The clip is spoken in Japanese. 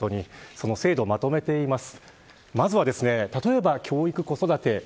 その制度をまとめています。